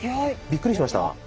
びっくりしました。